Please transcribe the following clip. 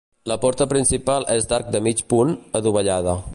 La porta principal és d'arc de mig punt, adovellada.